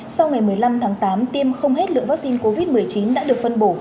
sau ngày một mươi năm tháng tám tiêm không hết lượng vaccine covid một mươi chín đã được phân bổ